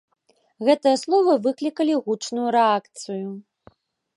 Гэтыя словы выклікалі гучную рэакцыю.